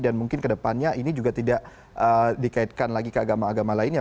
dan mungkin kedepannya ini juga tidak dikaitkan lagi ke agama agama lainnya